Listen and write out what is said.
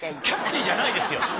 キャッチーじゃないですよ。